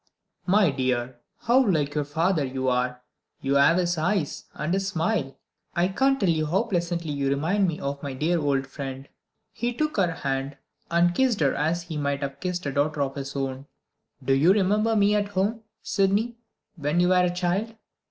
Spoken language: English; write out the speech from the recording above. "My dear, how like your father you are! You have his eyes and his smile; I can't tell you how pleasantly you remind me of my dear old friend." He took her hand, and kissed her as he might have kissed a daughter of his own. "Do you remember me at home, Sydney, when you were a child?